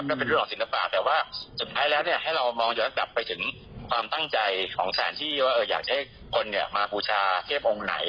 นั่นเป็นเรื่องของสินภาพแต่ว่าสุดท้ายแล้วเนี่ยให้เรามองย้อนกลับไปถึงความตั้งใจของชาญที่ว่าอยากให้คนเนี่ยมาภูชาเทพองค์ไหน